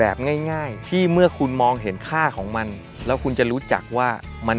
ขอยารายได้แบบง่ายที่มือขึ้นมองเห็นค่าของมันแล้วคุณจะรู้จักว่ามัน